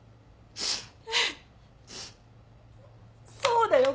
そうだよ。